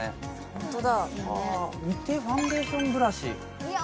ホントだ見てファンデーションブラシいや